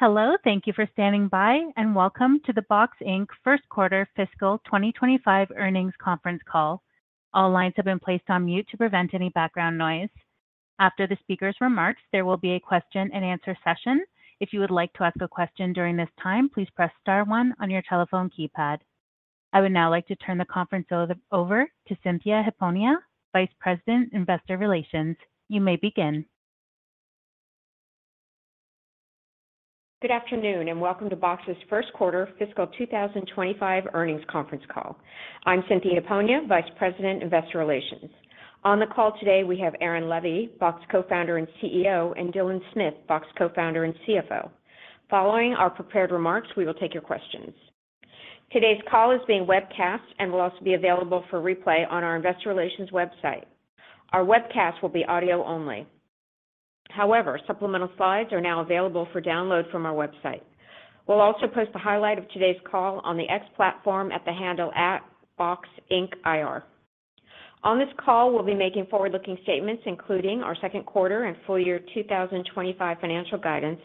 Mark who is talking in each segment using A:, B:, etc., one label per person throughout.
A: Hello, thank you for standing by, and welcome to the Box, Inc. First Quarter Fiscal 2025 Earnings Conference Call. All lines have been placed on mute to prevent any background noise. After the speaker's remarks, there will be a question and answer session. If you would like to ask a question during this time, please press star one on your telephone keypad. I would now like to turn the conference over to Cynthia Hiponia, Vice President, Investor Relations. You may begin.
B: Good afternoon, and welcome to Box's First Quarter Fiscal 2025 Earnings Conference Call. I'm Cynthia Hiponia, Vice President, Investor Relations. On the call today, we have Aaron Levie, Box Co-founder and CEO, and Dylan Smith, Box Co-founder and CFO. Following our prepared remarks, we will take your questions. Today's call is being webcast and will also be available for replay on our investor relations website. Our webcast will be audio only. However, supplemental slides are now available for download from our website. We'll also post a highlight of today's call on the X platform at the handle, @BoxIncIR. On this call, we'll be making forward-looking statements, including our second quarter and full-year 2025 financial guidance,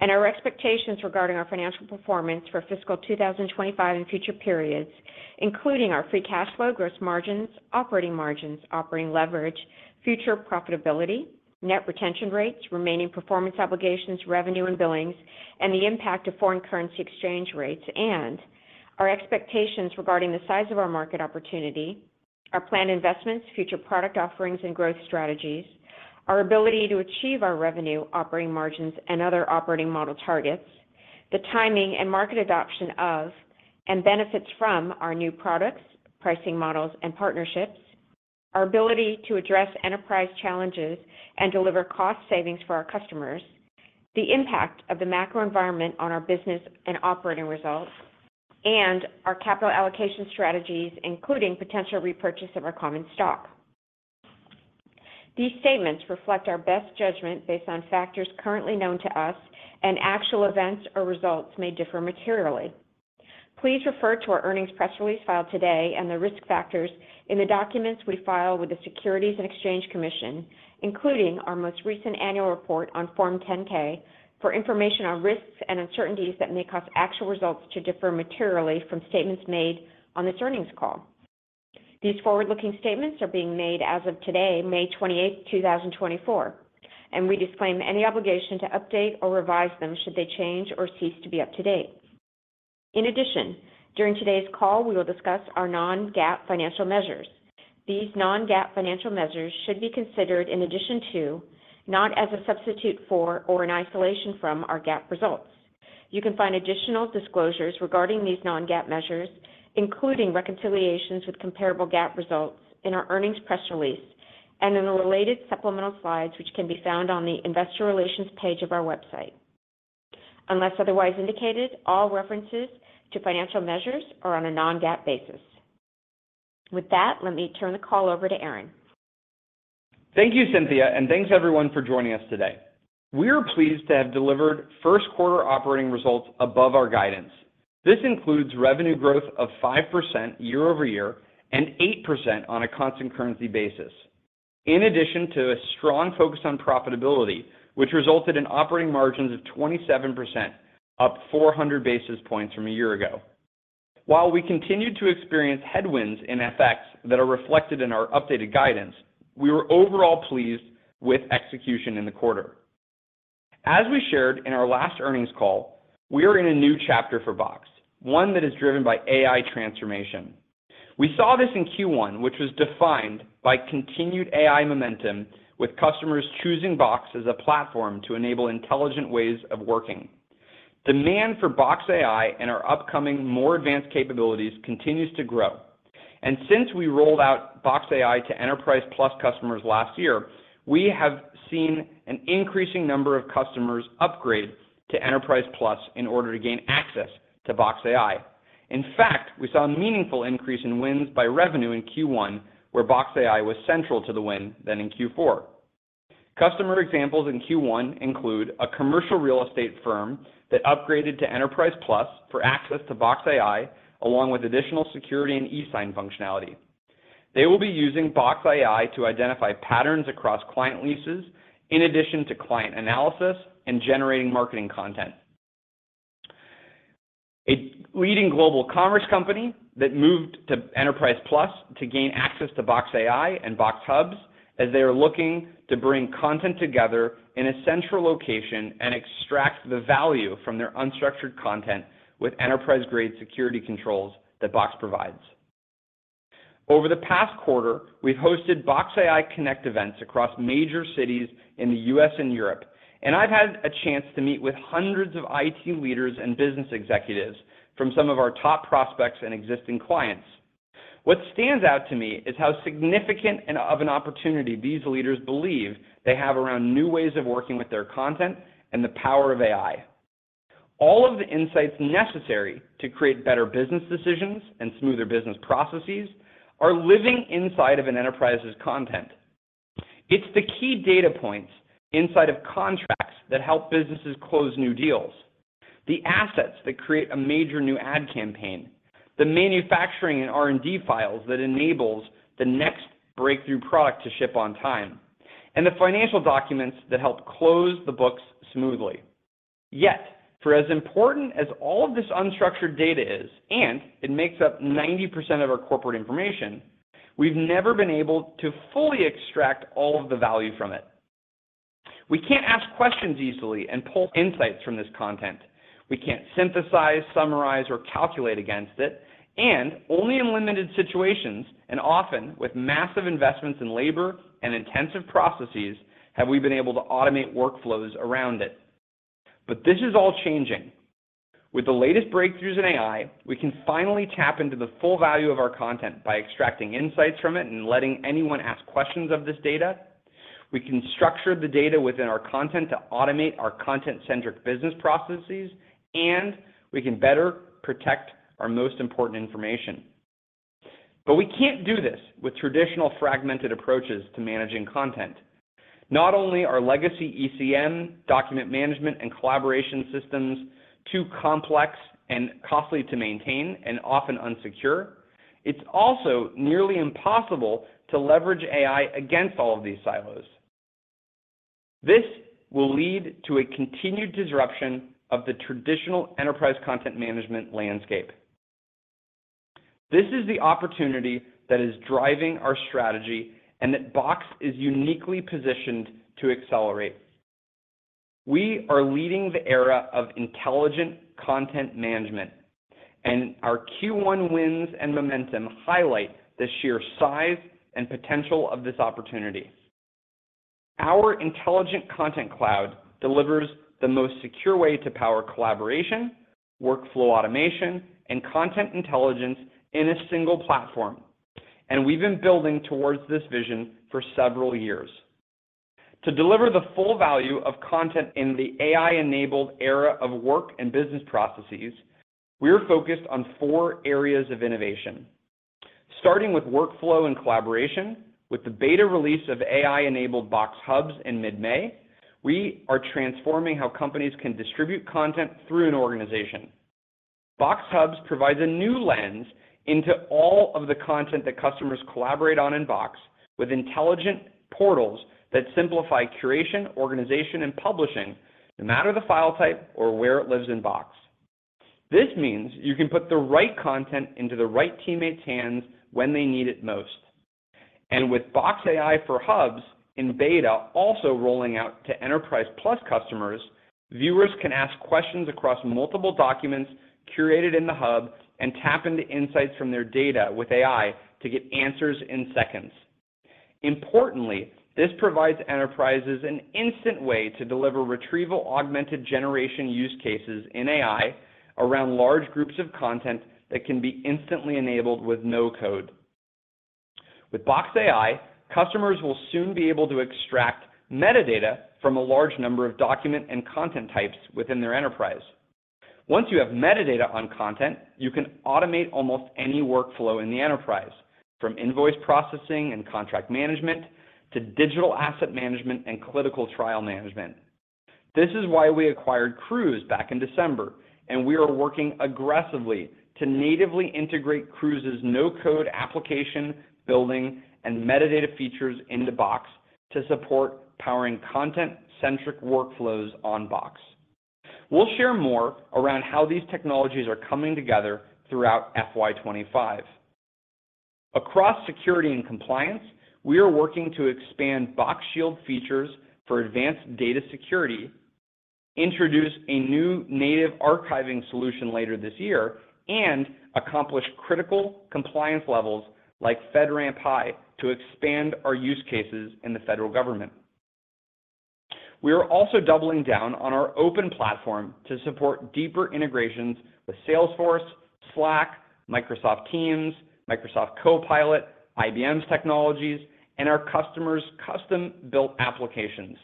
B: and our expectations regarding our financial performance for fiscal 2025 in future periods, including our free cash flow, gross margins, operating margins, operating leverage, future profitability, net retention rates, remaining performance obligations, revenue and billings, and the impact of foreign currency exchange rates, and our expectations regarding the size of our market opportunity, our planned investments, future product offerings, and growth strategies, our ability to achieve our revenue, operating margins, and other operating model targets, the timing and market adoption of and benefits from our new products, pricing models and partnerships, our ability to address enterprise challenges and deliver cost savings for our customers, the impact of the macro environment on our business and operating results, and our capital allocation strategies, including potential repurchase of our common stock. These statements reflect our best judgment based on factors currently known to us, and actual events or results may differ materially. Please refer to our earnings press release filed today and the risk factors in the documents we file with the Securities and Exchange Commission, including our most recent annual report on Form 10-K, for information on risks and uncertainties that may cause actual results to differ materially from statements made on this earnings call. These forward-looking statements are being made as of today, May 28, 2024, and we disclaim any obligation to update or revise them should they change or cease to be up to date. In addition, during today's call, we will discuss our non-GAAP financial measures. These non-GAAP financial measures should be considered in addition to, not as a substitute for or in isolation from, our GAAP results. You can find additional disclosures regarding these non-GAAP measures, including reconciliations with comparable GAAP results in our earnings press release and in the related supplemental slides, which can be found on the investor relations page of our website. Unless otherwise indicated, all references to financial measures are on a non-GAAP basis. With that, let me turn the call over to Aaron.
C: Thank you, Cynthia, and thanks everyone for joining us today. We are pleased to have delivered first quarter operating results above our guidance. This includes revenue growth of 5% year-over-year and 8% on a constant currency basis, in addition to a strong focus on profitability, which resulted in operating margins of 27%, up 400 basis points from a year ago. While we continued to experience headwinds in FX that are reflected in our updated guidance, we were overall pleased with execution in the quarter. As we shared in our last earnings call, we are in a new chapter for Box, one that is driven by AI transformation. We saw this in Q1, which was defined by continued AI momentum, with customers choosing Box as a platform to enable intelligent ways of working. Demand for Box AI and our upcoming more advanced capabilities continues to grow. Since we rolled out Box AI to Enterprise Plus customers last year, we have seen an increasing number of customers upgrade to Enterprise Plus in order to gain access to Box AI. In fact, we saw a meaningful increase in wins by revenue in Q1, where Box AI was central to the win than in Q4. Customer examples in Q1 include a commercial real estate firm that upgraded to Enterprise Plus for access to Box AI, along with additional security and eSign functionality. They will be using Box AI to identify patterns across client leases, in addition to client analysis and generating marketing content. A leading global commerce company that moved to Enterprise Plus to gain access to Box AI and Box Hubs, as they are looking to bring content together in a central location and extract the value from their unstructured content with enterprise-grade security controls that Box provides. Over the past quarter, we've hosted Box AI Connect events across major cities in the U.S. and Europe, and I've had a chance to meet with hundreds of IT leaders and business executives from some of our top prospects and existing clients. What stands out to me is how significant of an opportunity these leaders believe they have around new ways of working with their content and the power of AI. All of the insights necessary to create better business decisions and smoother business processes are living inside of an enterprise's content. It's the key data points inside of contracts that help businesses close new deals, the assets that create a major new ad campaign.... The manufacturing and R&D files that enables the next breakthrough product to ship on time, and the financial documents that help close the books smoothly. Yet, for as important as all of this unstructured data is, and it makes up 90% of our corporate information, we've never been able to fully extract all of the value from it. We can't ask questions easily and pull insights from this content. We can't synthesize, summarize, or calculate against it, and only in limited situations, and often with massive investments in labor and intensive processes, have we been able to automate workflows around it. But this is all changing. With the latest breakthroughs in AI, we can finally tap into the full value of our content by extracting insights from it and letting anyone ask questions of this data. We can structure the data within our content to automate our content-centric business processes, and we can better protect our most important information. But we can't do this with traditional fragmented approaches to managing content. Not only are legacy ECM, document management, and collaboration systems too complex and costly to maintain and often insecure, it's also nearly impossible to leverage AI against all of these silos. This will lead to a continued disruption of the traditional enterprise content management landscape. This is the opportunity that is driving our strategy and that Box is uniquely positioned to accelerate. We are leading the era of intelligent content management, and our Q1 wins and momentum highlight the sheer size and potential of this opportunity. Our Intelligent Content Cloud delivers the most secure way to power collaboration, workflow automation, and content intelligence in a single platform, and we've been building towards this vision for several years. To deliver the full value of content in the AI-enabled era of work and business processes, we are focused on four areas of innovation. Starting with workflow and collaboration, with the beta release of AI-enabled Box Hubs in mid-May, we are transforming how companies can distribute content through an organization. Box Hubs provides a new lens into all of the content that customers collaborate on in Box, with intelligent portals that simplify curation, organization, and publishing, no matter the file type or where it lives in Box. This means you can put the right content into the right teammate's hands when they need it most. With Box AI for Hubs in beta, also rolling out to Enterprise Plus customers, viewers can ask questions across multiple documents curated in the hub and tap into insights from their data with AI to get answers in seconds. Importantly, this provides enterprises an instant way to deliver retrieval-augmented generation use cases in AI around large groups of content that can be instantly enabled with no code. With Box AI, customers will soon be able to extract metadata from a large number of document and content types within their enterprise. Once you have metadata on content, you can automate almost any workflow in the enterprise, from invoice processing and contract management to digital asset management and clinical trial management. This is why we acquired Crooze back in December, and we are working aggressively to natively integrate Crooze's no-code application, building, and metadata features into Box to support powering content-centric workflows on Box. We'll share more around how these technologies are coming together throughout FY 2025. Across security and compliance, we are working to expand Box Shield features for advanced data security, introduce a new native archiving solution later this year, and accomplish critical compliance levels like FedRAMP High to expand our use cases in the federal government. We are also doubling down on our open platform to support deeper integrations with Salesforce, Slack, Microsoft Teams, Microsoft Copilot, IBM's technologies, and our customers' custom-built applications.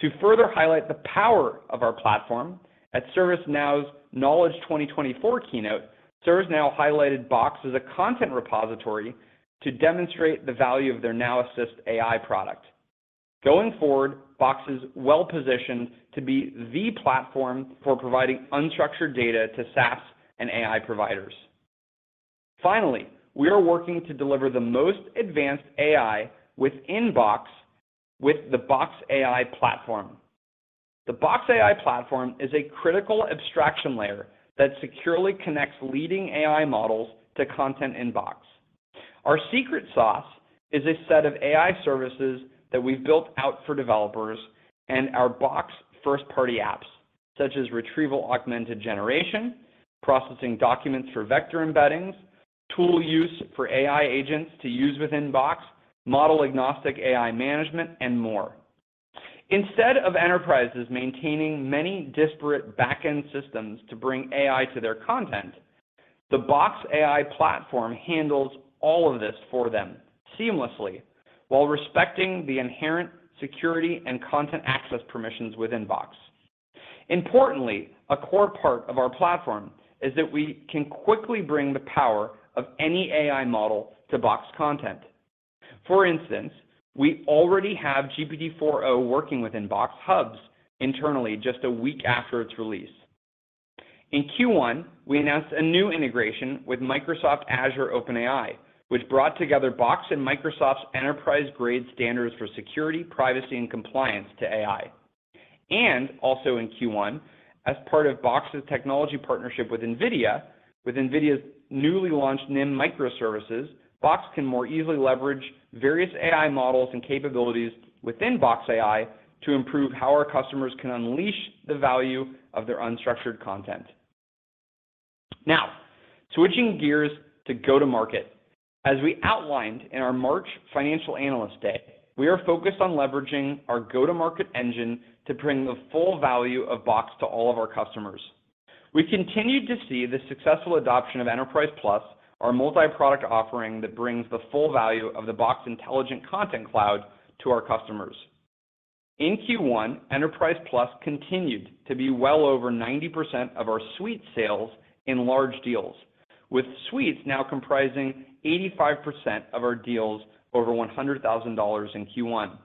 C: To further highlight the power of our platform, at ServiceNow's Knowledge 2024 keynote, ServiceNow highlighted Box as a content repository to demonstrate the value of their Now Assist AI product. Going forward, Box is well-positioned to be the platform for providing unstructured data to SaaS and AI providers. Finally, we are working to deliver the most advanced AI within Box with the Box AI Platform. The Box AI Platform is a critical abstraction layer that securely connects leading AI models to content in Box. Our secret sauce is a set of AI services that we've built out for developers and our Box first-party apps, such as retrieval-augmented generation, processing documents for vector embeddings, tool use for AI agents to use within Box, model-agnostic AI management, and more. Instead of enterprises maintaining many disparate backend systems to bring AI to their content, the Box AI Platform handles all of this for them seamlessly while respecting the inherent security and content access permissions within Box. Importantly, a core part of our platform is that we can quickly bring the power of any AI model to Box content. For instance, we already have GPT-4o working within Box Hubs internally just a week after its release. In Q1, we announced a new integration with Microsoft Azure OpenAI, which brought together Box and Microsoft's enterprise-grade standards for security, privacy, and compliance to AI. Also in Q1, as part of Box's technology partnership with NVIDIA, with NVIDIA's newly launched NIM microservices, Box can more easily leverage various AI models and capabilities within Box AI to improve how our customers can unleash the value of their unstructured content. Now, switching gears to go-to-market. As we outlined in our March Financial Analyst Day, we are focused on leveraging our go-to-market engine to bring the full value of Box to all of our customers. We continued to see the successful adoption of Enterprise Plus, our multi-product offering that brings the full value of the Box Intelligent Content Cloud to our customers. In Q1, Enterprise Plus continued to be well over 90% of our suite sales in large deals, with suites now comprising 85% of our deals over $100,000 in Q1.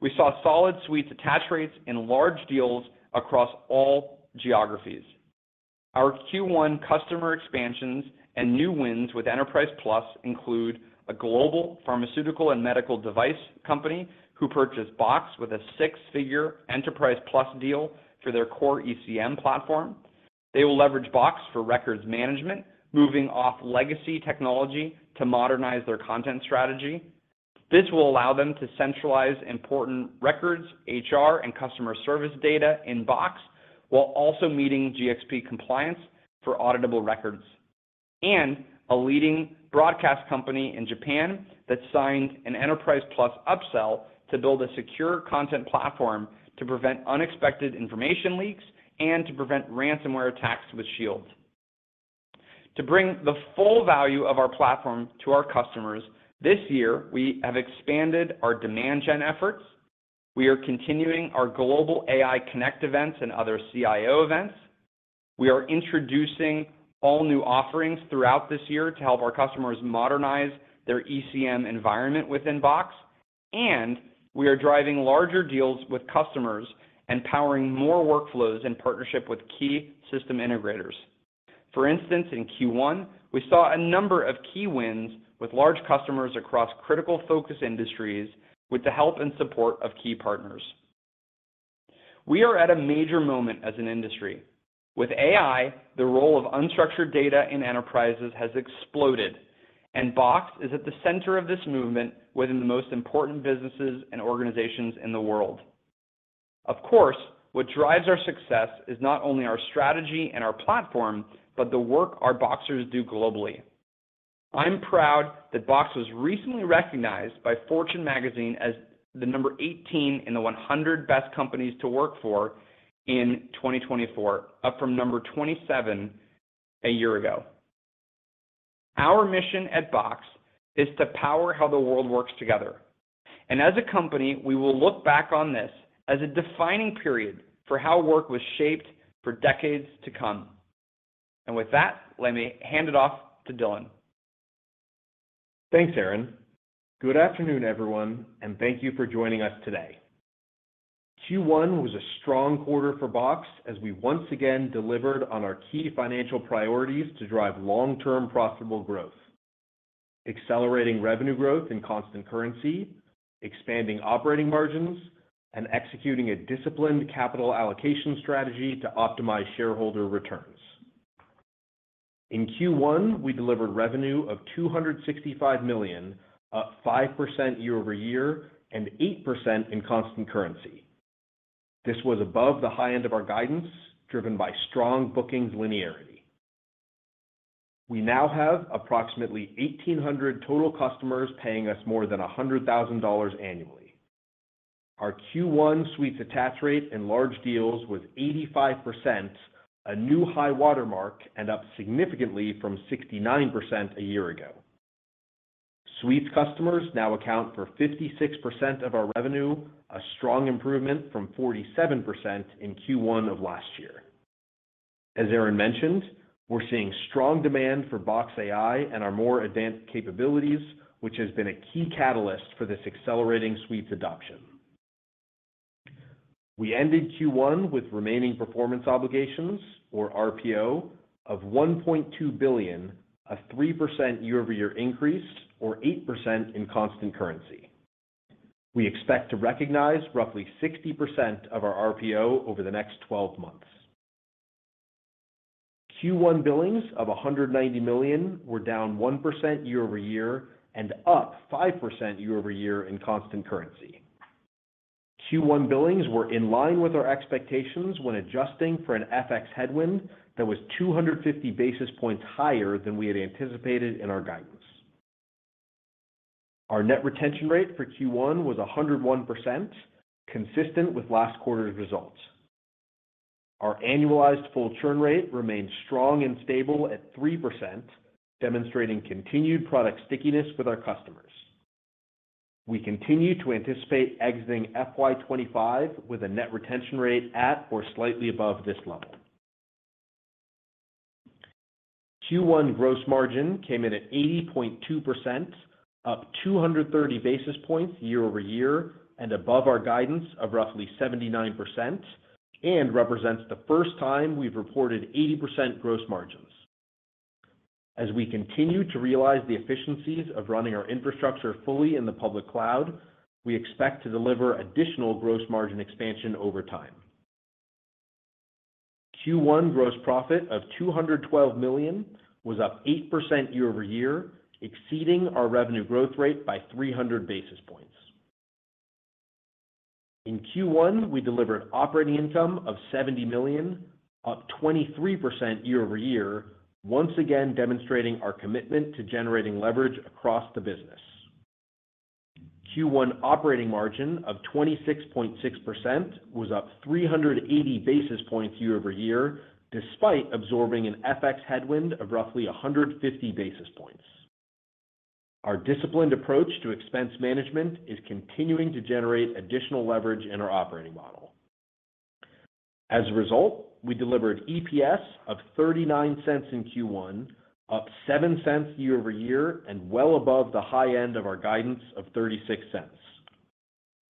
C: We saw solid suites attach rates in large deals across all geographies. Our Q1 customer expansions and new wins with Enterprise Plus include a global pharmaceutical and medical device company, who purchased Box with a six-figure Enterprise Plus deal for their core ECM platform. They will leverage Box for records management, moving off legacy technology to modernize their content strategy. This will allow them to centralize important records, HR, and customer service data in Box, while also meeting GxP compliance for auditable records. A leading broadcast company in Japan that signed an Enterprise Plus upsell to build a secure content platform to prevent unexpected information leaks and to prevent ransomware attacks with Shield. To bring the full value of our platform to our customers, this year, we have expanded our demand gen efforts. We are continuing our global AI Connect events and other CIO events. We are introducing all new offerings throughout this year to help our customers modernize their ECM environment within Box, and we are driving larger deals with customers and powering more workflows in partnership with key system integrators. For instance, in Q1, we saw a number of key wins with large customers across critical focus industries with the help and support of key partners. We are at a major moment as an industry. With AI, the role of unstructured data in enterprises has exploded, and Box is at the center of this movement within the most important businesses and organizations in the world. Of course, what drives our success is not only our strategy and our platform, but the work our Boxers do globally. I'm proud that Box was recently recognized by Fortune Magazine as the number 18 in the 100 Best Companies to Work For in 2024, up from number 27 a year ago. Our mission at Box is to power how the world works together, and as a company, we will look back on this as a defining period for how work was shaped for decades to come. With that, let me hand it off to Dylan.
D: Thanks, Aaron. Good afternoon, everyone, and thank you for joining us today. Q1 was a strong quarter for Box as we once again delivered on our key financial priorities to drive long-term profitable growth, accelerating revenue growth in constant currency, expanding operating margins, and executing a disciplined capital allocation strategy to optimize shareholder returns. In Q1, we delivered revenue of $265 million, up 5% year-over-year, and 8% in constant currency. This was above the high end of our guidance, driven by strong bookings linearity. We now have approximately 1,800 total customers paying us more than $100,000 annually. Our Q1 Suites attach rate in large deals was 85%, a new high watermark, and up significantly from 69% a year ago. Suites customers now account for 56% of our revenue, a strong improvement from 47% in Q1 of last year. As Aaron mentioned, we're seeing strong demand for Box AI and our more advanced capabilities, which has been a key catalyst for this accelerating Suites adoption. We ended Q1 with remaining performance obligations, or RPO, of $1.2 billion, a 3% year-over-year increase, or 8% in constant currency. We expect to recognize roughly 60% of our RPO over the next twelve months. Q1 billings of $190 million were down 1% year-over-year and up 5% year-over-year in constant currency. Q1 billings were in line with our expectations when adjusting for an FX headwind that was 250 basis points higher than we had anticipated in our guidance. Our net retention rate for Q1 was 101%, consistent with last quarter's results. Our annualized full churn rate remains strong and stable at 3%, demonstrating continued product stickiness with our customers. We continue to anticipate exiting FY 2025 with a net retention rate at or slightly above this level.... Q1 gross margin came in at 80.2%, up 230 basis points year-over-year, and above our guidance of roughly 79%, and represents the first time we've reported 80% gross margins. As we continue to realize the efficiencies of running our infrastructure fully in the public cloud, we expect to deliver additional gross margin expansion over time. Q1 gross profit of $212 million was up 8% year-over-year, exceeding our revenue growth rate by 300 basis points. In Q1, we delivered operating income of $70 million, up 23% year-over-year, once again demonstrating our commitment to generating leverage across the business. Q1 operating margin of 26.6% was up 380 basis points year-over-year, despite absorbing an FX headwind of roughly 150 basis points. Our disciplined approach to expense management is continuing to generate additional leverage in our operating model. As a result, we delivered EPS of $0.39 in Q1, up $0.07 year-over-year, and well above the high end of our guidance of $0.36.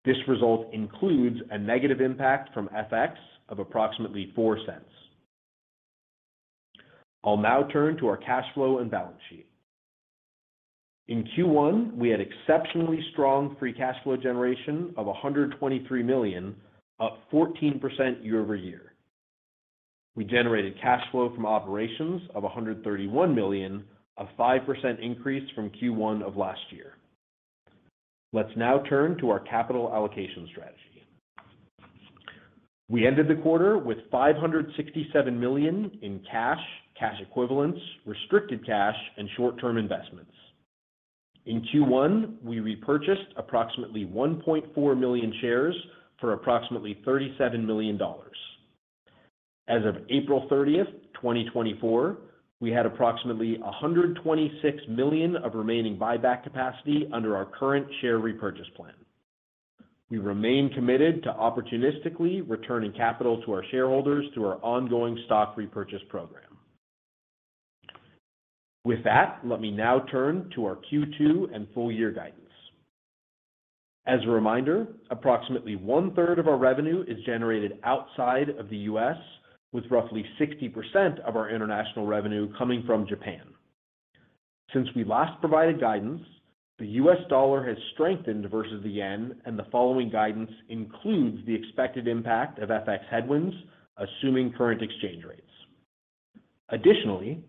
D: This result includes a negative impact from FX of approximately $0.04. I'll now turn to our cash flow and balance sheet. In Q1, we had exceptionally strong free cash flow generation of $123 million, up 14% year-over-year. We generated cash flow from operations of $131 million, a 5% increase from Q1 of last year. Let's now turn to our capital allocation strategy. We ended the quarter with $567 million in cash, cash equivalents, restricted cash, and short-term investments. In Q1, we repurchased approximately 1.4 million shares for approximately $37 million. As of April 30, 2024, we had approximately $126 million of remaining buyback capacity under our current share repurchase plan. We remain committed to opportunistically returning capital to our shareholders through our ongoing stock repurchase program. With that, let me now turn to our Q2 and full-year guidance. As a reminder, approximately one-third of our revenue is generated outside of the US, with roughly 60% of our international revenue coming from Japan. Since we last provided guidance, the US dollar has strengthened versus the yen, and the following guidance includes the expected impact of FX headwinds, assuming current exchange rates. Additionally,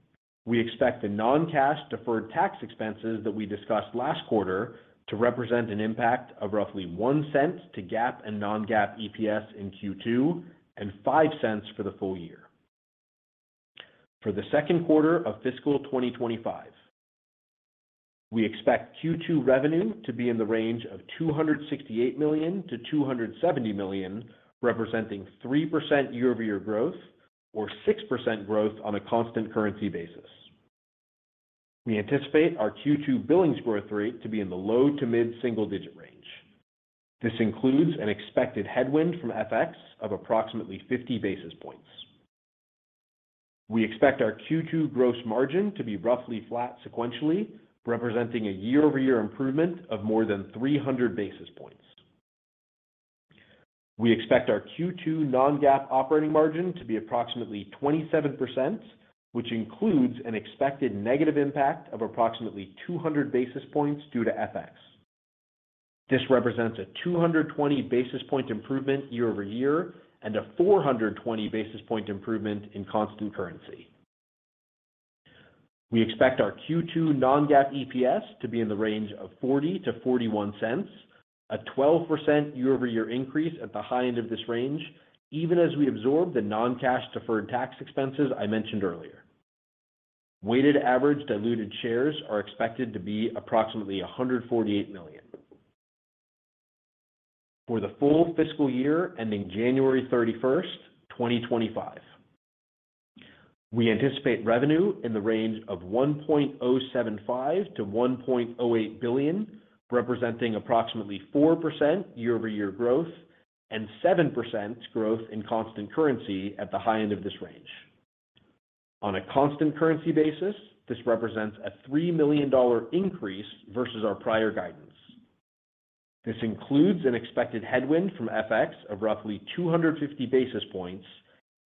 D: we expect the non-cash deferred tax expenses that we discussed last quarter to represent an impact of roughly $0.01 to GAAP and non-GAAP EPS in Q2, and $0.05 for the full-year. For the second quarter of fiscal 2025, we expect Q2 revenue to be in the range of $268 million-$270 million, representing 3% year-over-year growth or 6% growth on a constant currency basis. We anticipate our Q2 billings growth rate to be in the low to mid-single digit range. This includes an expected headwind from FX of approximately 50 basis points. We expect our Q2 gross margin to be roughly flat sequentially, representing a year-over-year improvement of more than 300 basis points. We expect our Q2 non-GAAP operating margin to be approximately 27%, which includes an expected negative impact of approximately 200 basis points due to FX. This represents a 220 basis point improvement year-over-year, and a 420 basis point improvement in constant currency. We expect our Q2 non-GAAP EPS to be in the range of $0.40-$0.41, a 12% year-over-year increase at the high end of this range, even as we absorb the non-cash deferred tax expenses I mentioned earlier. Weighted average diluted shares are expected to be approximately 148 million. For the full fiscal year, ending January 31, 2025, we anticipate revenue in the range of $1.075 billion-$1.08 billion, representing approximately 4% year-over-year growth and 7% growth in constant currency at the high end of this range. On a constant currency basis, this represents a $3 million increase versus our prior guidance. This includes an expected headwind from FX of roughly 250 basis points,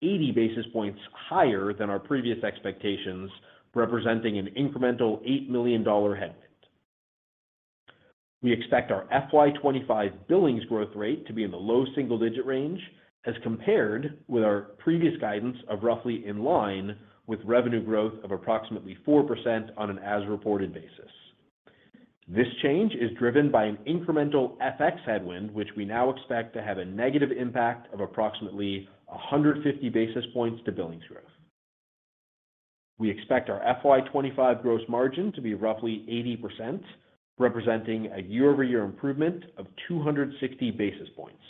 D: 80 basis points higher than our previous expectations, representing an incremental $8 million headwind. We expect our FY 2025 billings growth rate to be in the low single digit range as compared with our previous guidance of roughly in line with revenue growth of approximately 4% on an as-reported basis. This change is driven by an incremental FX headwind, which we now expect to have a negative impact of approximately 150 basis points to billings growth. We expect our FY 2025 gross margin to be roughly 80%, representing a year-over-year improvement of 260 basis points.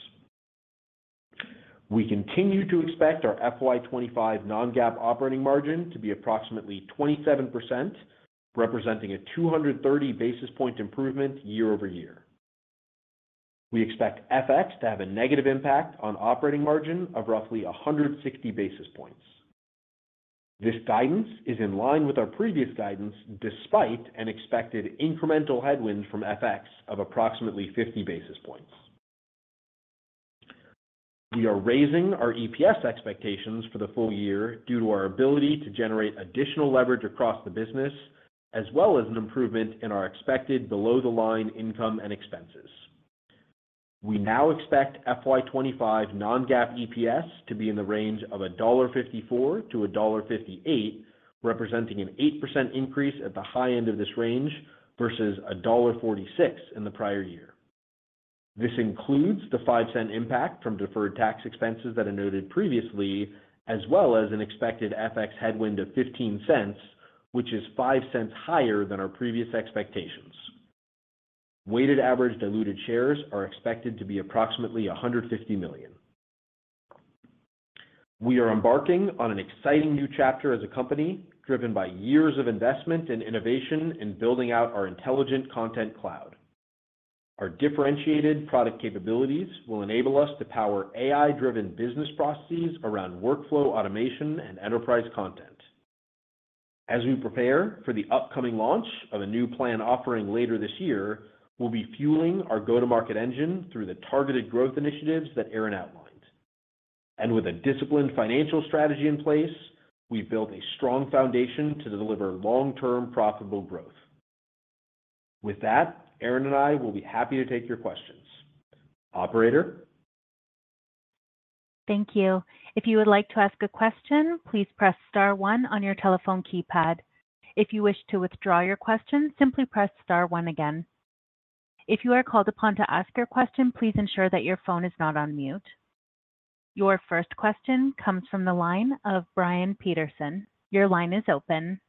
D: We continue to expect our FY 2025 non-GAAP operating margin to be approximately 27%, representing a 230 basis point improvement year-over-year. We expect FX to have a negative impact on operating margin of roughly 160 basis points. This guidance is in line with our previous guidance, despite an expected incremental headwind from FX of approximately 50 basis points. We are raising our EPS expectations for the full-year due to our ability to generate additional leverage across the business, as well as an improvement in our expected below-the-line income and expenses. We now expect FY 2025 non-GAAP EPS to be in the range of $1.54-$1.58, representing an 8% increase at the high end of this range versus $1.46 in the prior-year. This includes the $0.05 impact from deferred tax expenses that I noted previously, as well as an expected FX headwind of $0.15, which is $0.05 higher than our previous expectations. Weighted average diluted shares are expected to be approximately 150 million. We are embarking on an exciting new chapter as a company, driven by years of investment and innovation in building out our Intelligent Content Cloud. Our differentiated product capabilities will enable us to power AI-driven business processes around workflow, automation, and enterprise content. As we prepare for the upcoming launch of a new plan offering later this year, we'll be fueling our go-to-market engine through the targeted growth initiatives that Aaron outlined. With a disciplined financial strategy in place, we've built a strong foundation to deliver long-term profitable growth. With that, Aaron and I will be happy to take your questions. Operator?
A: Thank you. If you would like to ask a question, please press star one on your telephone keypad. If you wish to withdraw your question, simply press star one again. If you are called upon to ask your question, please ensure that your phone is not on mute. Your first question comes from the line of Brian Peterson. Your line is open.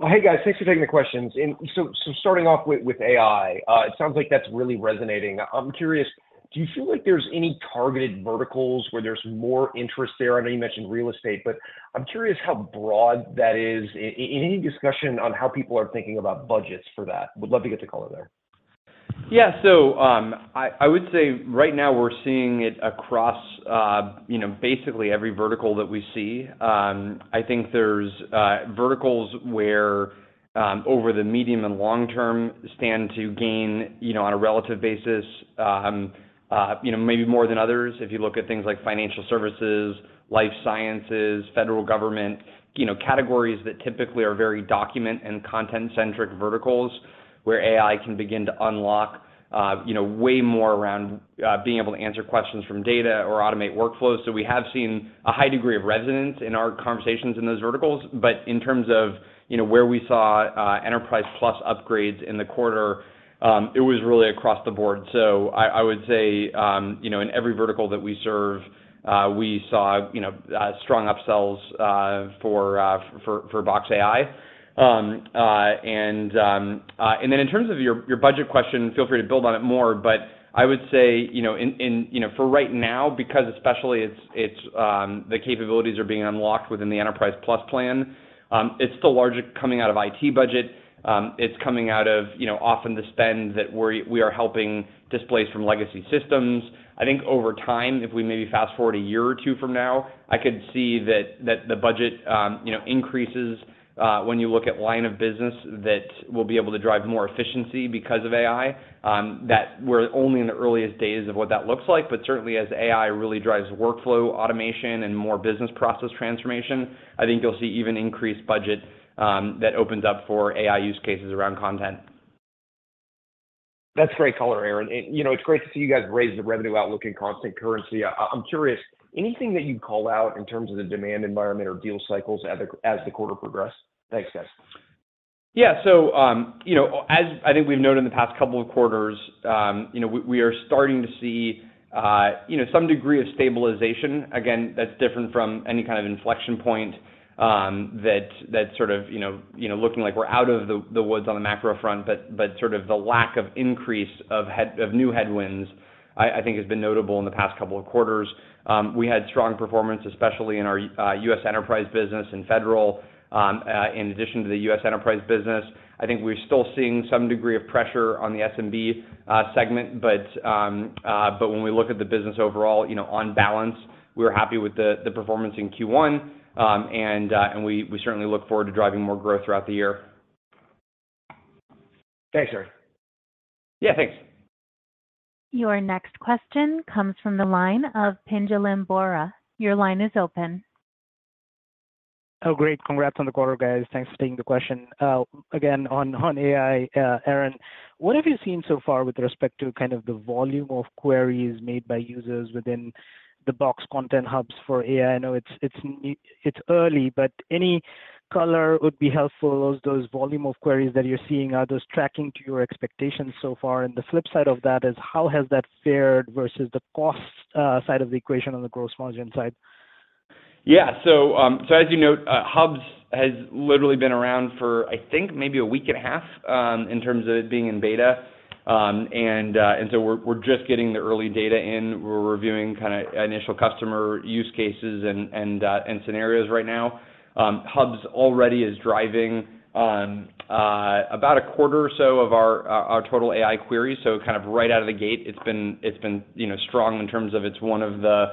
E: Well, hey, guys, thanks for taking the questions. And so starting off with AI, it sounds like that's really resonating. I'm curious, do you feel like there's any targeted verticals where there's more interest there? I know you mentioned real estate, but I'm curious how broad that is. Any discussion on how people are thinking about budgets for that? Would love to get the color there.
C: Yeah. So, I would say right now we're seeing it across, you know, basically every vertical that we see. I think there's verticals where, over the medium and long term stand to gain, you know, on a relative basis, you know, maybe more than others. If you look at things like financial services, life sciences, federal government, you know, categories that typically are very document and content-centric verticals, where AI can begin to unlock, you know, way more around, being able to answer questions from data or automate workflows. So we have seen a high degree of resonance in our conversations in those verticals. But in terms of, you know, where we saw, Enterprise Plus upgrades in the quarter, it was really across the board. So I would say, you know, in every vertical that we serve, we saw, you know, strong upsells for Box AI. And then in terms of your budget question, feel free to build on it more, but I would say, you know, in. You know, for right now, because especially it's the capabilities are being unlocked within the Enterprise Plus plan, it's still largely coming out of IT budget. It's coming out of, you know, often the spend that we're helping displace from legacy systems. I think over time, if we maybe fast-forward a year or two from now, I could see that, that the budget, you know, increases when you look at line of business, that we'll be able to drive more efficiency because of AI, that we're only in the earliest days of what that looks like. But certainly, as AI really drives workflow automation and more business process transformation, I think you'll see even increased budget that opens up for AI use cases around content.
E: That's great color, Aaron. And, you know, it's great to see you guys raise the revenue outlook in constant currency. I'm curious, anything that you'd call out in terms of the demand environment or deal cycles as the quarter progressed? Thanks, guys.
C: Yeah. So, you know, as I think we've noted in the past couple of quarters, you know, we, we are starting to see, you know, some degree of stabilization. Again, that's different from any kind of inflection point, that, that sort of, you know, you know, looking like we're out of the, the woods on the macro front. But, but sort of the lack of increase of headwinds, I, I think has been notable in the past couple of quarters. We had strong performance, especially in our U.S. enterprise business and Federal. In addition to the U.S. enterprise business, I think we're still seeing some degree of pressure on the SMB segment, but, but when we look at the business overall, you know, on balance, we're happy with the, the performance in Q1. We certainly look forward to driving more growth throughout the year.
E: Thanks, Aaron.
C: Yeah, thanks.
A: Your next question comes from the line of Pinjalim Bora. Your line is open.
F: Oh, great. Congrats on the quarter, guys. Thanks for taking the question. Again, on AI, Aaron, what have you seen so far with respect to kind of the volume of queries made by users within the Box Hubs for AI? I know it's early, but any color would be helpful. Those volume of queries that you're seeing, are those tracking to your expectations so far? And the flip side of that is, how has that fared versus the cost side of the equation on the gross margin side?...
C: Yeah, so as you note, Hubs has literally been around for, I think, maybe a week and a half, in terms of it being in beta. We're just getting the early data in. We're reviewing kinda initial customer use cases and scenarios right now. Hubs already is driving about a quarter or so of our total AI queries. So kind of right out of the gate, it's been, you know, strong in terms of it's one of the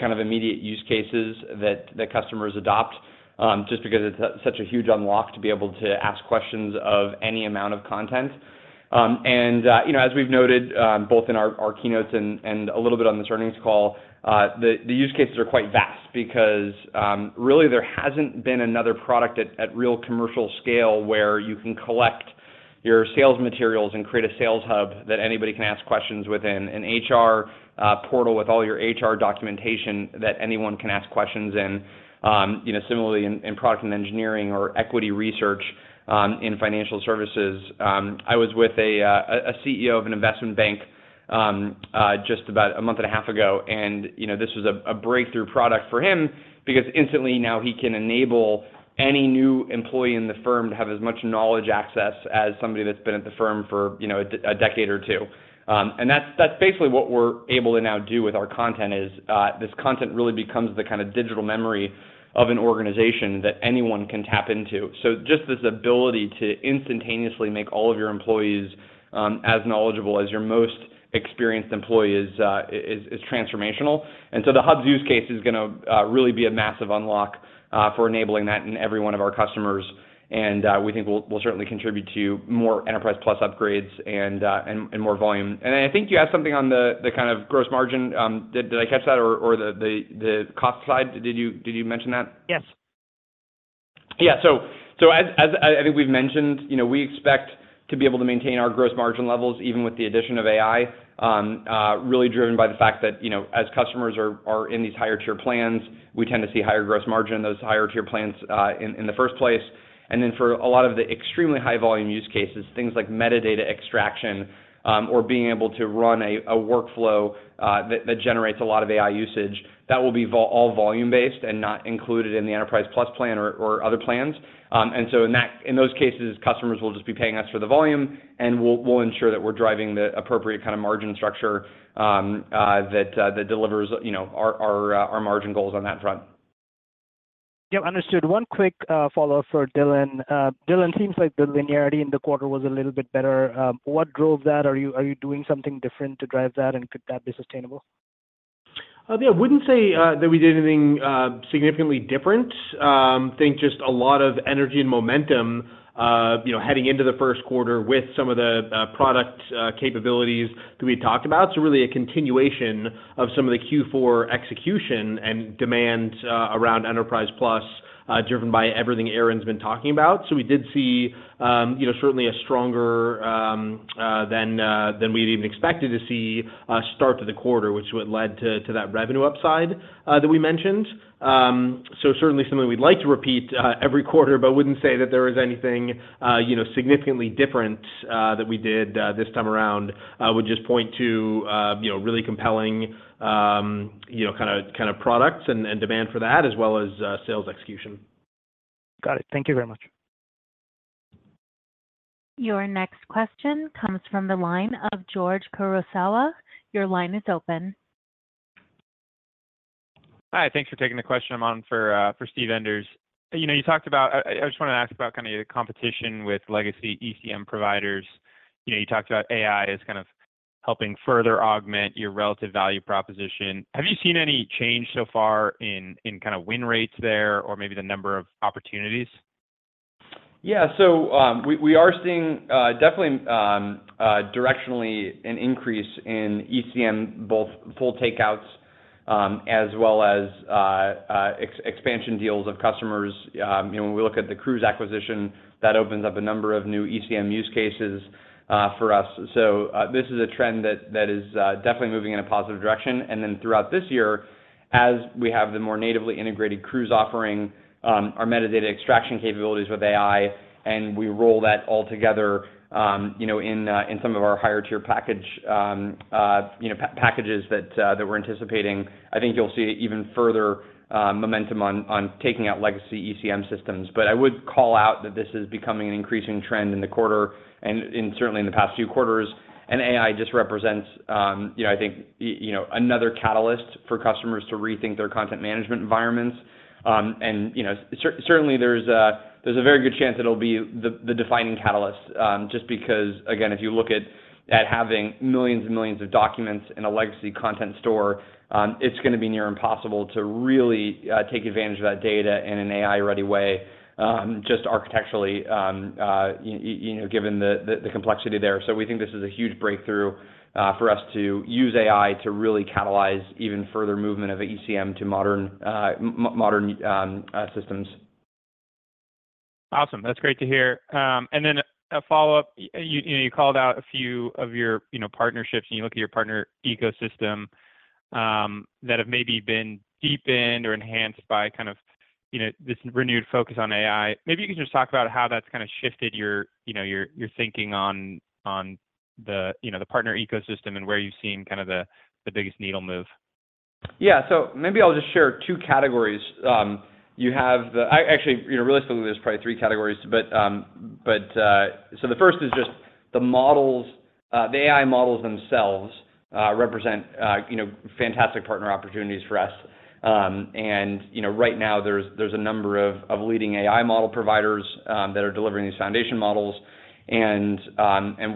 C: kind of immediate use cases that customers adopt, just because it's such a huge unlock to be able to ask questions of any amount of content. You know, as we've noted, both in our keynotes and a little bit on this earnings call, the use cases are quite vast because really there hasn't been another product at real commercial scale, where you can collect your sales materials and create a sales hub that anybody can ask questions within. An HR portal with all your HR documentation that anyone can ask questions in. You know, similarly in product and engineering or equity research, in financial services. I was with a CEO of an investment bank just about a month and a half ago, and, you know, this was a breakthrough product for him because instantly now he can enable any new employee in the firm to have as much knowledge access as somebody that's been at the firm for, you know, a decade or two. And that's basically what we're able to now do with our content: this content really becomes the kind of digital memory of an organization that anyone can tap into. So just this ability to instantaneously make all of your employees as knowledgeable as your most experienced employee is transformational. And so the Hubs use case is gonna really be a massive unlock for enabling that in every one of our customers, and we think will certainly contribute to more Enterprise Plus upgrades and more volume. And I think you asked something on the kind of gross margin. Did I catch that? Or the cost side, did you mention that?
F: Yes.
C: Yeah. So as I think we've mentioned, you know, we expect to be able to maintain our gross margin levels, even with the addition of AI, really driven by the fact that, you know, as customers are in these higher tier plans, we tend to see higher gross margin in those higher tier plans, in the first place. And then for a lot of the extremely high-volume use cases, things like metadata extraction, or being able to run a workflow that generates a lot of AI usage, that will be volume-based and not included in the Enterprise Plus plan or other plans. And so in those cases, customers will just be paying us for the volume, and we'll ensure that we're driving the appropriate kind of margin structure that delivers, you know, our margin goals on that front.
F: Yep, understood. One quick follow-up for Dylan. Dylan, seems like the linearity in the quarter was a little bit better. What drove that? Are you, are you doing something different to drive that, and could that be sustainable?
D: Yeah, I wouldn't say that we did anything significantly different. I think just a lot of energy and momentum, you know, heading into the first quarter with some of the product capabilities that we talked about. So really a continuation of some of the Q4 execution and demand around Enterprise Plus driven by everything Aaron's been talking about. So we did see, you know, certainly a stronger than we'd even expected to see start to the quarter, which led to that revenue upside that we mentioned. So certainly something we'd like to repeat every quarter, but wouldn't say that there is anything, you know, significantly different that we did this time around. I would just point to, you know, really compelling, you know, kinda products and demand for that, as well as sales execution.
F: Got it. Thank you very much.
A: Your next question comes from the line of George Kurosawa. Your line is open.
G: Hi, thanks for taking the question. I'm on for for Steve Enders. You know, you talked about... I just wanna ask about kinda your competition with legacy ECM providers. You know, you talked about AI as kind of helping further augment your relative value proposition. Have you seen any change so far in kind of win rates there, or maybe the number of opportunities?
C: Yeah. So, we are seeing definitely directionally an increase in ECM, both full takeouts, as well as expansion deals of customers. You know, when we look at the Crooze acquisition, that opens up a number of new ECM use cases for us. So, this is a trend that is definitely moving in a positive direction. And then throughout this year, as we have the more natively integrated Crooze offering, our metadata extraction capabilities with AI, and we roll that all together, you know, in some of our higher tier package, you know, packages that we're anticipating, I think you'll see even further momentum on taking out legacy ECM systems. But I would call out that this is becoming an increasing trend in the quarter and certainly in the past few quarters. And AI just represents, you know, I think, you know, another catalyst for customers to rethink their content management environments. And, you know, certainly there's a very good chance it'll be the defining catalyst, just because, again, if you look at having millions and millions of documents in a legacy content store, it's gonna be near impossible to really take advantage of that data in an AI-ready way, just architecturally, you know, given the complexity there. So we think this is a huge breakthrough for us to use AI to really catalyze even further movement of ECM to modern systems.
G: Awesome, that's great to hear. And then a follow-up. You know, you called out a few of your, you know, partnerships, and you look at your partner ecosystem, that have maybe been deepened or enhanced by kind of you know, this renewed focus on AI, maybe you can just talk about how that's kind of shifted your, you know, your, your thinking on, on the, you know, the partner ecosystem and where you've seen kind of the biggest needle move.
C: Yeah. So maybe I'll just share two categories. I actually, you know, realistically, there's probably three categories, but so the first is just the models, the AI models themselves represent, you know, fantastic partner opportunities for us. And, you know, right now there's a number of leading AI model providers that are delivering these foundation models. And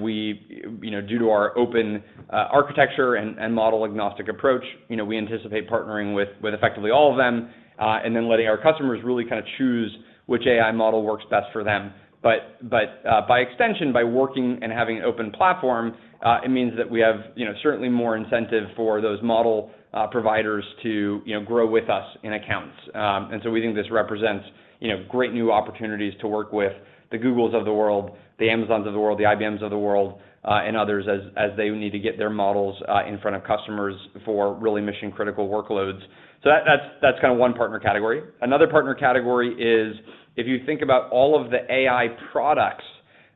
C: we, you know, due to our open architecture and model-agnostic approach, you know, we anticipate partnering with effectively all of them and then letting our customers really kind of choose which AI model works best for them. But by extension, by working and having an open platform, it means that we have, you know, certainly more incentive for those model providers to, you know, grow with us in accounts. And so we think this represents, you know, great new opportunities to work with the Googles of the world, the Amazons of the world, the IBMs of the world, and others, as they need to get their models in front of customers for really mission-critical workloads. So that's, that's kind of one partner category. Another partner category is, if you think about all of the AI products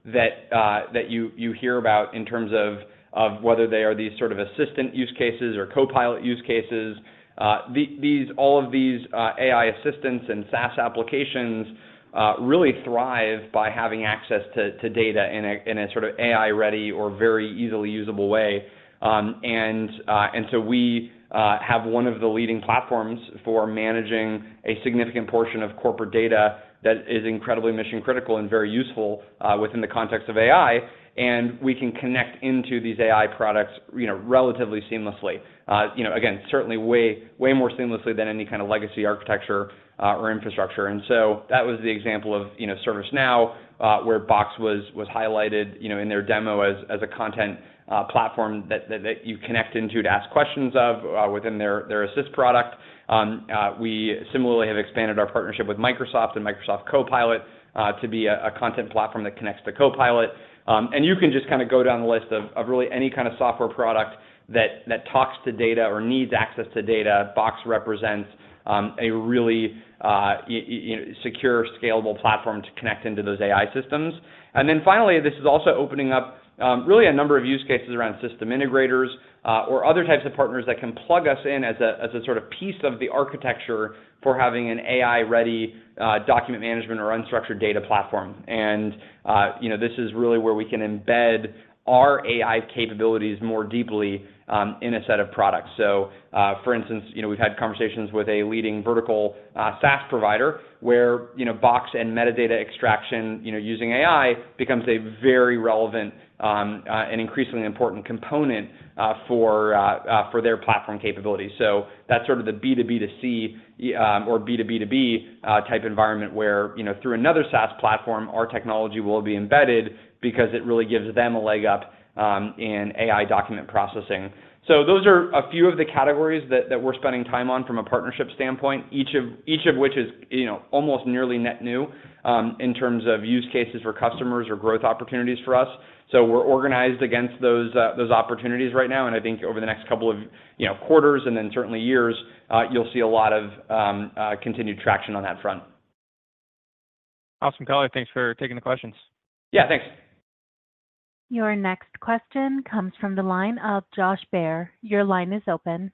C: that that you hear about in terms of of whether they are these sort of assistant use cases or copilot use cases, all of these AI assistants and SaaS applications really thrive by having access to data in a sort of AI-ready or very easily usable way. And so we have one of the leading platforms for managing a significant portion of corporate data that is incredibly mission-critical and very useful within the context of AI, and we can connect into these AI products, you know, relatively seamlessly. You know, again, certainly way, way more seamlessly than any kind of legacy architecture or infrastructure. And so that was the example of, you know, ServiceNow, where Box was highlighted, you know, in their demo as a content platform that you connect into to ask questions of within their Assist product. We similarly have expanded our partnership with Microsoft and Microsoft Copilot to be a content platform that connects to Copilot. And you can just kind of go down the list of really any kind of software product that talks to data or needs access to data. Box represents a really, you know, secure, scalable platform to connect into those AI systems. And then finally, this is also opening up really a number of use cases around system integrators or other types of partners that can plug us in as a sort of piece of the architecture for having an AI-ready document management or unstructured data platform. And, you know, this is really where we can embed our AI capabilities more deeply in a set of products. So, for instance, you know, we've had conversations with a leading vertical SaaS provider, where, you know, Box and metadata extraction, you know, using AI, becomes a very relevant and increasingly important component, for their platform capabilities. So that's sort of the B2B2C or B2B2B type environment where, you know, through another SaaS platform, our technology will be embedded because it really gives them a leg up in AI document processing. So those are a few of the categories that we're spending time on from a partnership standpoint. Each of which is, you know, almost nearly net new in terms of use cases for customers or growth opportunities for us. So we're organized against those, those opportunities right now, and I think over the next couple of, you know, quarters and then certainly years, you'll see a lot of, continued traction on that front.
G: Awesome colour. Thanks for taking the questions.
C: Yeah, thanks.
A: Your next question comes from the line of Josh Baer. Your line is open.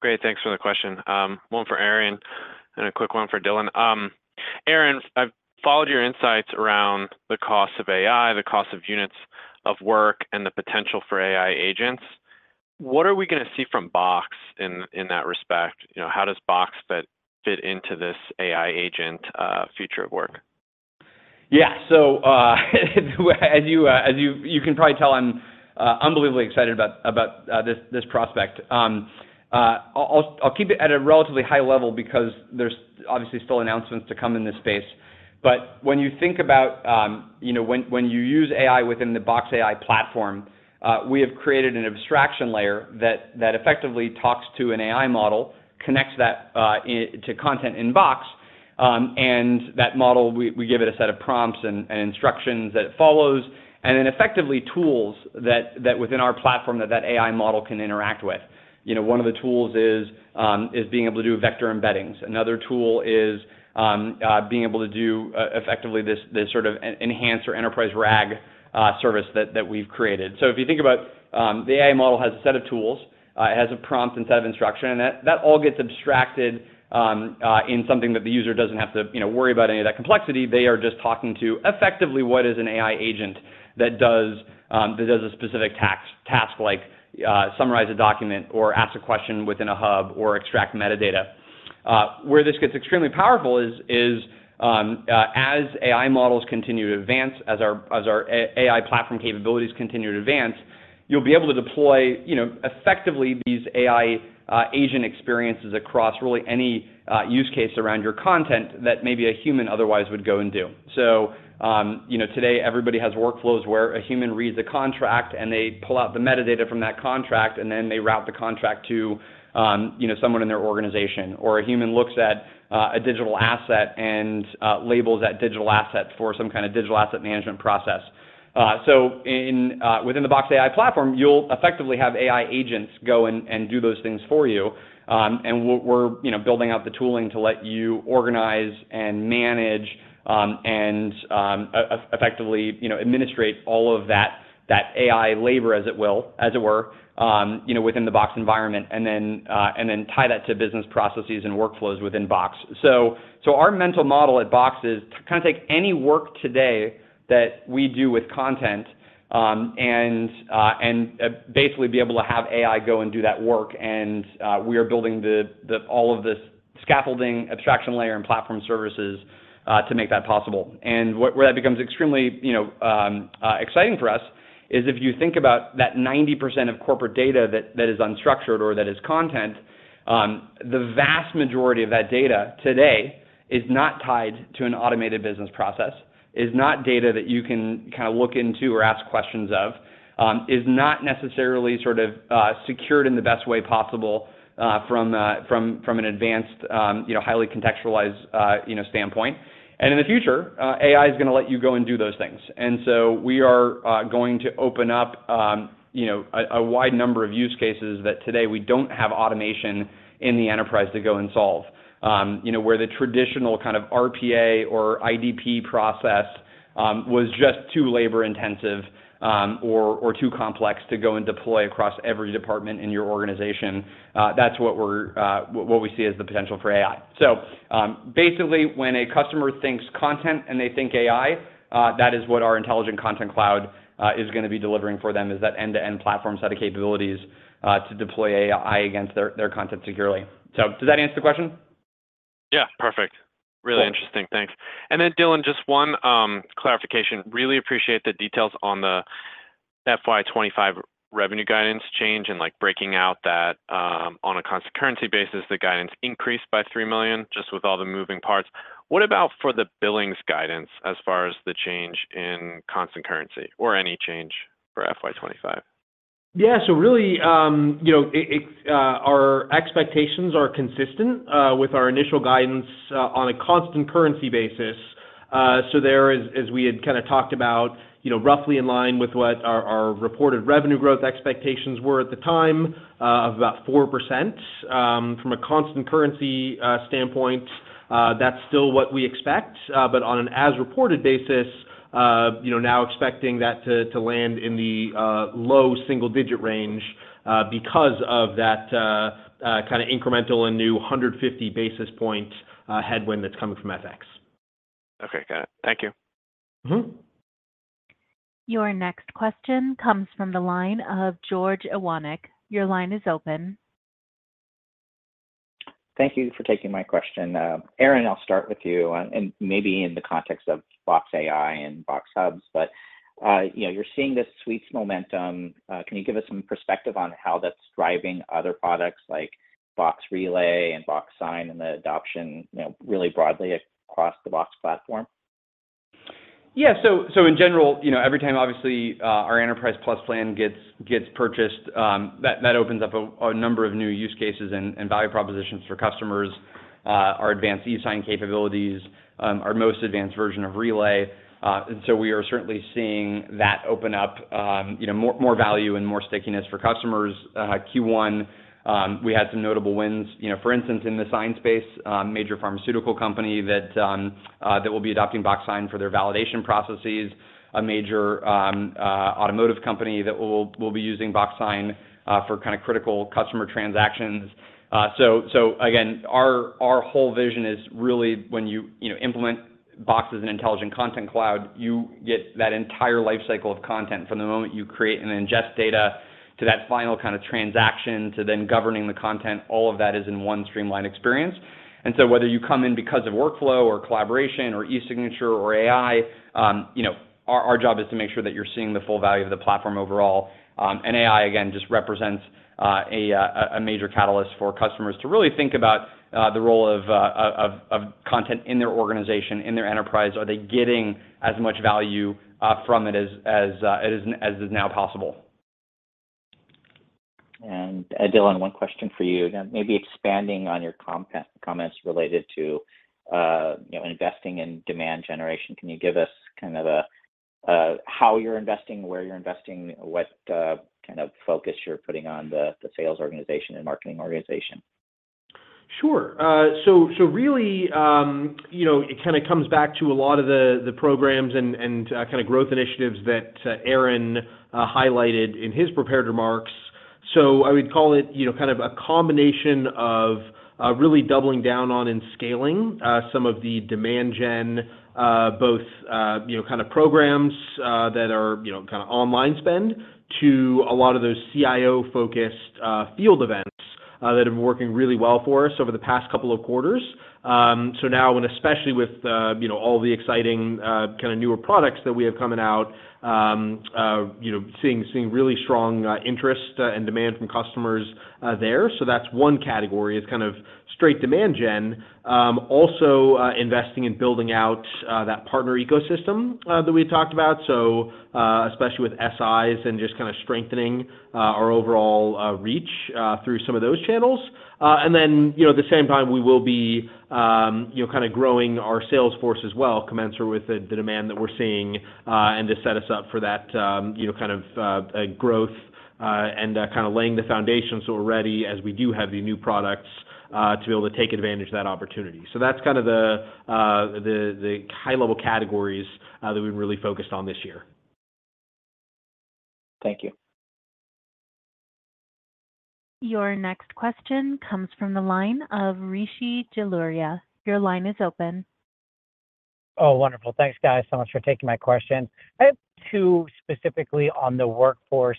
H: Great, thanks for the question. One for Aaron and a quick one for Dylan. Aaron, I've followed your insights around the cost of AI, the cost of units of work, and the potential for AI agents. What are we gonna see from Box in that respect? You know, how does Box fit into this AI agent future of work?
C: Yeah. So, as you, as you-- you can probably tell, I'm unbelievably excited about, about, this, this prospect. I'll keep it at a relatively high level because there's obviously still announcements to come in this space. But when you think about, you know, when you use AI within the Box AI platform, we have created an abstraction layer that effectively talks to an AI model, connects that, in-- to content in Box, and that model, we give it a set of prompts and instructions that it follows, and then effectively tools that within our platform, that that AI model can interact with. You know, one of the tools is being able to do vector embeddings. Another tool is being able to do effectively this sort of enhanced enterprise RAG service that we've created. So if you think about the AI model has a set of tools, it has a prompt and set of instructions, and that all gets abstracted in something that the user doesn't have to, you know, worry about any of that complexity. They are just talking to effectively what is an AI agent that does a specific task like summarize a document or ask a question within a hub or extract metadata. Where this gets extremely powerful is, as AI models continue to advance, as our AI platform capabilities continue to advance, you'll be able to deploy, you know, effectively these AI agent experiences across really any use case around your content that maybe a human otherwise would go and do. So, you know, today everybody has workflows where a human reads a contract, and they pull out the metadata from that contract, and then they route the contract to, you know, someone in their organization, or a human looks at a digital asset and labels that digital asset for some kind of digital asset management process. So within the Box AI Platform, you'll effectively have AI agents go and do those things for you. And we're building out the tooling to let you organize and manage, and effectively, you know, administrate all of that AI labor, as it were, you know, within the Box environment, and then tie that to business processes and workflows within Box. So our mental model at Box is to kind of take any work today that we do with content, and basically be able to have AI go and do that work. And we are building all of this scaffolding, abstraction layer, and platform services to make that possible. And where that becomes extremely, you know, exciting for us is if you think about that 90% of corporate data that is unstructured or that is content, the vast majority of that data today is not tied to an automated business process, is not data that you can kind of look into or ask questions of, is not necessarily sort of secured in the best way possible, from, from an advanced, you know, highly contextualized, you know, standpoint. And in the future, AI is gonna let you go and do those things. And so we are going to open up, you know, a wide number of use cases that today we don't have automation in the enterprise to go and solve. You know, where the traditional kind of RPA or IDP process was just too labor-intensive, or too complex to go and deploy across every department in your organization. That's what we're, what we see as the potential for AI. So, basically, when a customer thinks content and they think AI, that is what our Intelligent Content Cloud is gonna be delivering for them, is that end-to-end platform set of capabilities to deploy AI against their content securely. So does that answer the question?
H: Yeah, perfect.
C: Cool.
H: Really interesting. Thanks. And then, Dylan, just one, clarification. Really appreciate the details on the FY 2025 revenue guidance change and, like, breaking out that, on a constant currency basis, the guidance increased by $3 million, just with all the moving parts. What about for the billings guidance as far as the change in constant currency or any change for FY 2025?
D: Yeah. So really, you know, our expectations are consistent with our initial guidance on a constant currency basis. So there, as we had kinda talked about, you know, roughly in line with what our reported revenue growth expectations were at the time of about 4%. From a constant currency standpoint, that's still what we expect, but on an as-reported basis, you know, now expecting that to land in the low single-digit range because of that kind of incremental and new 150 basis point headwind that's coming from FX.
H: Okay, got it. Thank you.
D: Mm-hmm.
A: Your next question comes from the line of George Iwanyc. Your line is open.
I: Thank you for taking my question. Aaron, I'll start with you, and maybe in the context of Box AI and Box Hubs, but, you know, you're seeing this Suites momentum. Can you give us some perspective on how that's driving other products like Box Relay and Box Sign, and the adoption, you know, really broadly across the Box platform?
C: Yeah. So in general, you know, every time, obviously, our Enterprise Plus plan gets purchased, that opens up a number of new use cases and value propositions for customers, our advanced eSign capabilities, our most advanced version of Relay. And so we are certainly seeing that open up, you know, more value and more stickiness for customers. Q1, we had some notable wins. You know, for instance, in the sign space, major pharmaceutical company that will be adopting Box Sign for their validation processes, a major automotive company that will be using Box Sign for kinda critical customer transactions. So again, our whole vision is really when you know implement Box as an Intelligent Content Cloud, you get that entire life cycle of content from the moment you create and ingest data to that final kind of transaction, to then governing the content, all of that is in one streamlined experience. And so whether you come in because of workflow, or collaboration, or e-signature, or AI, you know, our job is to make sure that you're seeing the full value of the platform overall. And AI, again, just represents a major catalyst for customers to really think about the role of content in their organization, in their enterprise. Are they getting as much value from it as is now possible?
I: And, Dylan, one question for you. Again, maybe expanding on your comments related to, you know, investing in demand generation. Can you give us kind of a how you're investing, where you're investing, what kind of focus you're putting on the sales organization and marketing organization?
D: Sure. So really, you know, it kinda comes back to a lot of the programs and kind of growth initiatives that Aaron highlighted in his prepared remarks. So I would call it, you know, kind of a combination of really doubling down on and scaling some of the demand gen, both you know, kind of programs that are, you know, kind of online spend, to a lot of those CIO-focused field events that have been working really well for us over the past couple of quarters. So now and especially with, you know, all the exciting kind of newer products that we have coming out, you know, seeing really strong interest and demand from customers there. So that's one category, is kind of straight demand gen. Also, investing in building out that partner ecosystem that we talked about, so especially with SIs and just kinda strengthening our overall reach through some of those channels. And then, you know, at the same time, we will be, you know, kind of growing our sales force as well, commensurate with the demand that we're seeing, and to set us up for that, you know, kind of growth, and kind of laying the foundation so we're ready as we do have the new products to be able to take advantage of that opportunity. So that's kind of the high-level categories that we've really focused on this year.
I: Thank you.
A: Your next question comes from the line of Rishi Jaluria. Your line is open.
J: Oh, wonderful. Thanks, guys, so much for taking my question. I have two specifically on the workforce.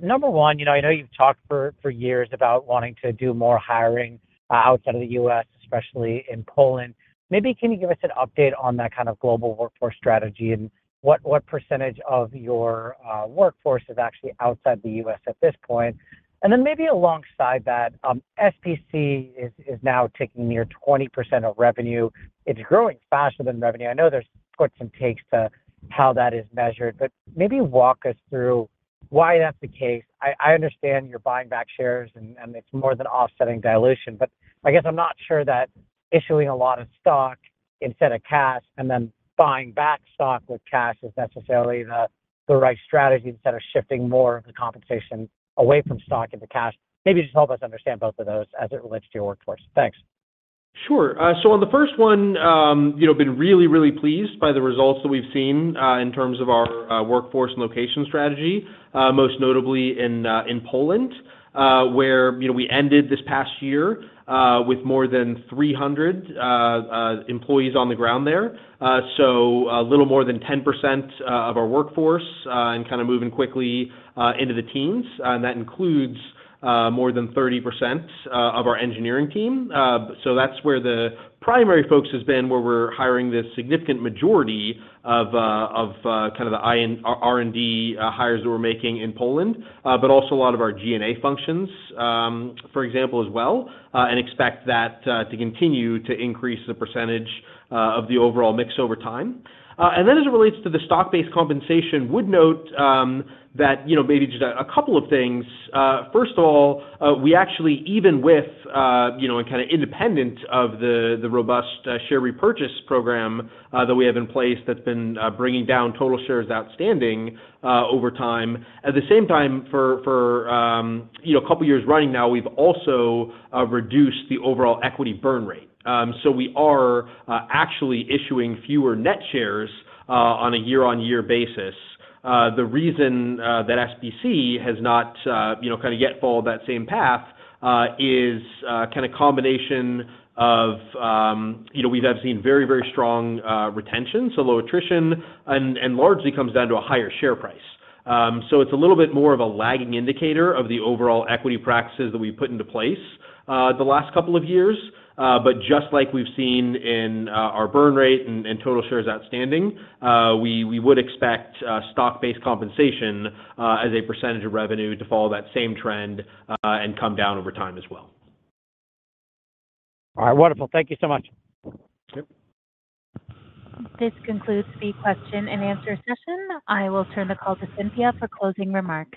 J: Number one, you know, I know you've talked for, for years about wanting to do more hiring outside of the US, especially in Poland. Maybe can you give us an update on that kind of global workforce strategy, and what, what percentage of your workforce is actually outside the US at this point? And then maybe alongside that, SBC is now taking near 20% of revenue. It's growing faster than revenue. I know there's puts and takes to how that is measured, but maybe walk us through why that's the case. I understand you're buying back shares and it's more than offsetting dilution, but I guess I'm not sure that issuing a lot of stock instead of cash, and then buying back stock with cash is necessarily the right strategy, instead of shifting more of the compensation away from stock into cash. Maybe just help us understand both of those as it relates to your workforce. Thanks.
D: Sure. So on the first one, you know, been really, really pleased by the results that we've seen, in terms of our, workforce and location strategy, most notably in, in Poland, where, you know, we ended this past year, with more than 300, employees on the ground there. So a little more than 10%, of our workforce, and kind of moving quickly, into the teams. And that includes, more than 30%, of our engineering team. So that's where the primary focus has been, where we're hiring the significant majority of kind of the R&D hires that we're making in Poland, but also a lot of our G&A functions, for example, as well, and expect that to continue to increase the percentage of the overall mix over time. And then as it relates to the stock-based compensation, would note that, you know, maybe just a couple of things. First of all, we actually even with, you know, and kind of independent of the robust share repurchase program that we have in place, that's been bringing down total shares outstanding over time. At the same time, for you know, a couple of years running now, we've also reduced the overall equity burn rate. So we are actually issuing fewer net shares on a year-on-year basis. The reason that SBC has not you know, kind of yet followed that same path is kind of combination of you know, we have seen very, very strong retention, so low attrition and largely comes down to a higher share price. So it's a little bit more of a lagging indicator of the overall equity practices that we've put into place the last couple of years. But just like we've seen in our burn rate and total shares outstanding, we would expect stock-based compensation as a percentage of revenue to follow that same trend and come down over time as well.
J: All right. Wonderful. Thank you so much.
D: Sure.
A: This concludes the question and answer session. I will turn the call to Cynthia for closing remarks.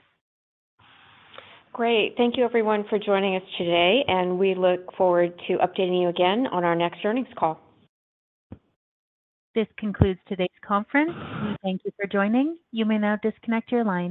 B: Great. Thank you everyone for joining us today, and we look forward to updating you again on our next earnings call.
A: This concludes today's conference. Thank you for joining. You may now disconnect your lines.